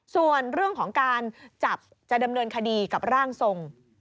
ส่วนเรื่องของการจับจะดำเนินคดีกับร่างทรง